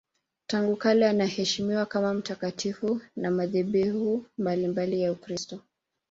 Tangu kale anaheshimiwa kama mtakatifu na madhehebu mbalimbali ya Ukristo.